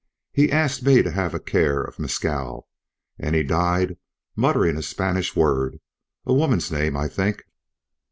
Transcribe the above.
He asked me to have a care of Mescal. And he died muttering a Spanish word, a woman's name, I think."